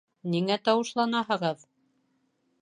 Ниңә тауышланаһығыҙ?